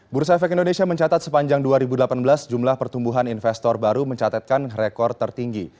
bursa efek indonesia mencatat sepanjang dua ribu delapan belas jumlah pertumbuhan investor baru mencatatkan rekor tertinggi